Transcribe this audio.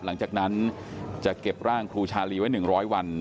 หลังจากนั้นจะเก็บร่างครูชาลีไว้๑๐๐วัน